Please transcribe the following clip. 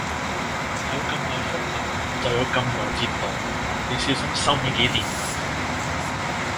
有咁耐風流，就有咁耐折墮，你小心收尾幾年呀！